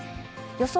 予想